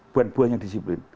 buat banyak disiplin